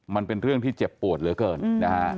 มันเป็นเรื่องที่เจ็บปวดเหลือเกินนะฮะ